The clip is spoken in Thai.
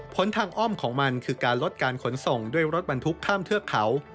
ผลทางอ้อมของมันคือการลดการขนส่งด้วยรถบรรทุกข้ามเทือกเขา